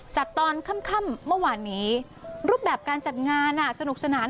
ตอนค่ำเมื่อวานนี้รูปแบบการจัดงานสนุกสนาน